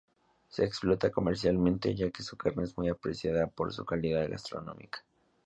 Se explota comercialmente ya que su carne es muy apreciada por su calidad gastronómica.